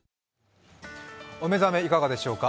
お目覚めいかがでしょうか。